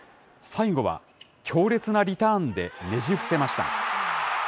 最後は強烈なリターンでねじ伏せました。